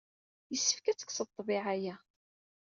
Yessefk ad tekkseḍ ḍḍbiɛa-a.